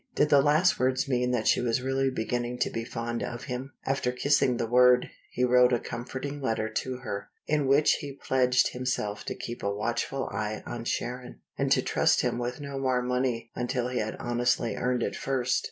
Did the last words mean that she was really beginning to be fond of him? After kissing the word, he wrote a comforting letter to her, in which he pledged himself to keep a watchful eye on Sharon, and to trust him with no more money until he had honestly earned it first.